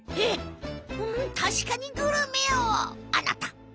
うんたしかにグルメ王あなた！